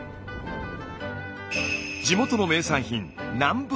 地元の名産品